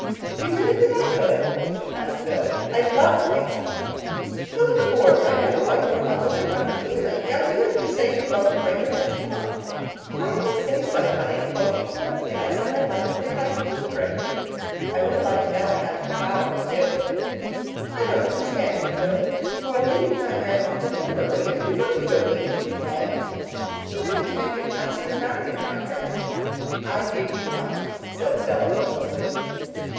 "Do you really think I could?" asked Phil. "I'd love to think so." "Philippa Gordon! I never thought you were utterly unfeeling. The idea of you saying you'd love to break a man's heart!" "I didn't say so, honey. Quote me correctly. I said I'd like to think I could break it. I would like to know I had the power to do it." "I don't understand you, Phil. You are leading that man on deliberately—and you know you don't mean anything by it." "I mean to make him ask me to marry him if I can," said Phil calmly. "I give you up," said Stella hopelessly.